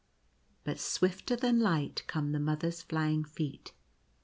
But swifter than light come the Mother's flying feet.